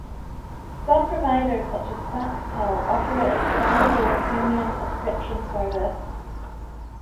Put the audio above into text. Some providers such as SaskTel offer it as a stand-alone premium subscription service.